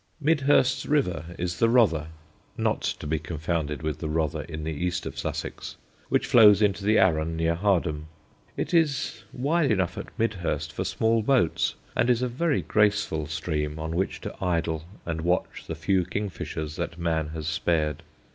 Midhurst's river is the Rother (not to be confounded with the Rother in the east of Sussex), which flows into the Arun near Hardham. It is wide enough at Midhurst for small boats, and is a very graceful stream on which to idle and watch the few kingfishers that man has spared.